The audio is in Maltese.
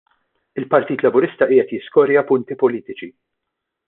Il-Partit Laburista qiegħed jiskorja punti politiċi.